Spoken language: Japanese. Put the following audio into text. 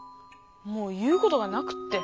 もう言うことがなくって。